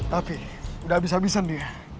tapi udah abis abisan dia